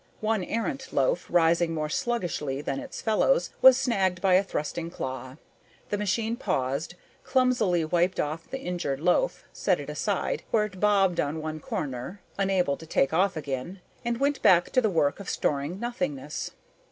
One errant loaf, rising more sluggishly than its fellows, was snagged by a thrusting claw. The machine paused, clumsily wiped off the injured loaf, set it aside where it bobbed on one corner, unable to take off again and went back to the work of storing nothingness.